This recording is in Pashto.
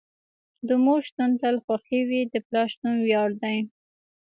د مور شتون تل خوښې وي، د پلار شتون وياړ دي.